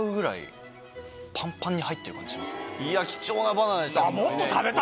いや貴重なバナナでしたね。